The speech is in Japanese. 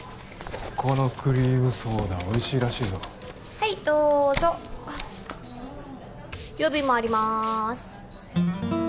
ここのクリームソーダおいしいらしいぞはいどうぞ予備もあります